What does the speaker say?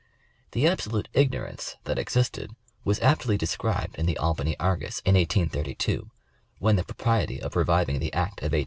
The absolute ignorance that existed was aptly described in the Albany Argus in 1832, when the propriety of reviving the act of ISO?